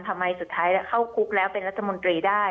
สุดท้ายเข้าคุกแล้วเป็นรัฐมนตรีได้